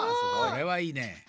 これはいいね。